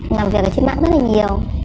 làm việc ở trên mạng rất là nhiều